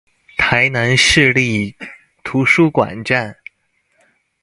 台南市立圖書館站